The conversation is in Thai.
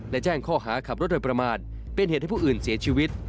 และแจ้งข้อหาขับรถโดยประมาทเป็นเหตุให้ผู้อื่นเสียชีวิต